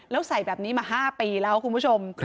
แล้วใส่แบบนี้มา๕ปีแล้วคุณผู้ชม